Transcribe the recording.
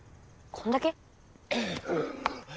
こんだけ？